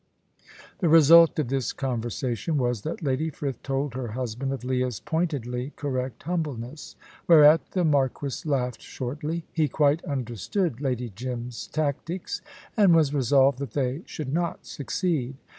The result of this conversation was, that Lady Frith told her husband of Leah's pointedly correct humbleness; whereat the marquis laughed shortly. He quite understood Lady Jim's tactics, and was resolved that they should not succeed.